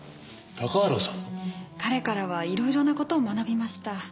彼からは色々な事を学びました。